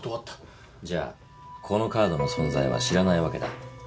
じゃあこのカードの存在は知らないわけだ。